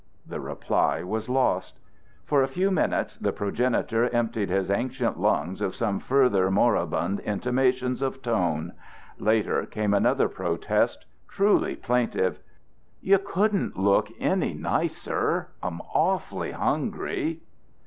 The reply was lost. For a few minutes the progenitor emptied his ancient lungs of some further moribund intimations of tone. Later came another protest, truly plaintive: "You couldn't look any nicer! I'm awfully hungry!"